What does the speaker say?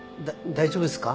大丈夫ですか？